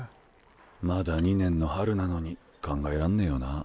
まだ２年の春なのに考えらんねぇよな。